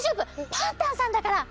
パンタンさんだから！